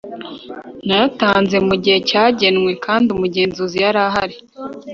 nayatanze mu gihe cyagenwe kandi umugenzuzi yarahari